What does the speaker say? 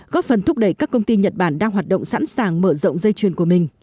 góp phần thúc đẩy các công ty nhật bản đang hoạt động sẵn sàng mở rộng dây chuyền của mình